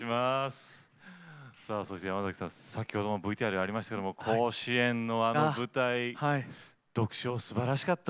さあそして山崎さん先ほどのＶＴＲにありましたけども甲子園のあの舞台独唱すばらしかった。